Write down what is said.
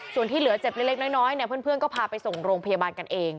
ส่วนที่เหลือเจ็บเล็กน้อยเนี่ยเพื่อนก็พาไปส่งโรงพยาบาลกันเอง